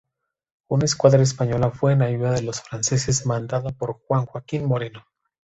Una escuadra española fue en ayuda de los franceses mandada por Juan Joaquín Moreno.